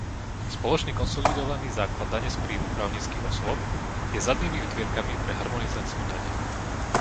Spoločný konsolidovaný základ dane z príjmu právnických osôb je zadnými dvierkami pre harmonizáciu dane.